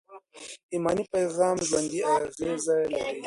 ایماني پیغام ژوندي اغېز لري.